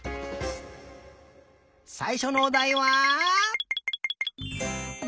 さいしょのおだいは。